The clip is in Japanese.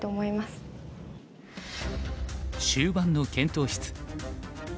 終盤の検討室。